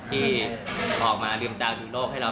ที่ออกมาลืมตาดูโลกให้เรา